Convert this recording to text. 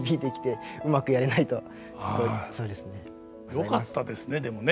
よかったですねでもね。